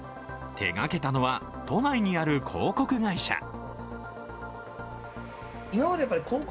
手がけたのは、都内にある広告会社。